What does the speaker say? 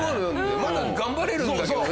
まだ頑張れるんだけどね。